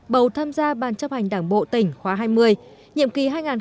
bầu tham gia ban chấp hành đảng bộ tỉnh khóa hai mươi